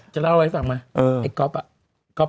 จะเล่าอะไรสักมาไอ้ก๊อฟ